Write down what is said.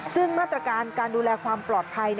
ซึ่งมาตรการการดูแลความปลอดภัย